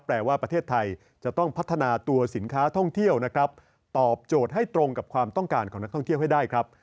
แปลว่าประเทศไทยจะต้องพัฒนาตัวสินค้าท่องเที่ยวนะครับตอบโจทย์ให้ตรงกับความต้องการของนักท่องเที่ยวให้ได้ครับ